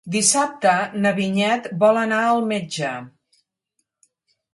Dissabte na Vinyet vol anar al metge.